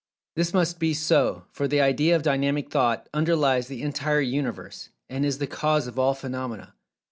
This must be so—for the idea of "Dynamic Thought" underlies the entire Universe, and is the cause of all phenomena.